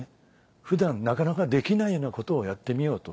普段なかなかできないようなことをやってみようと。